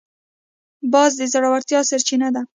باز د زړورتیا سرچینه ده